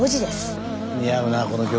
似合うなこの曲。